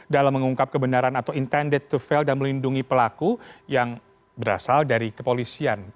dalam mengungkap kebenaran atau intended to fail dan melindungi pelaku yang berasal dari kepolisian